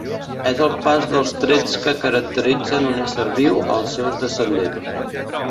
És el pas dels trets que caracteritzen un ésser viu als seus descendents.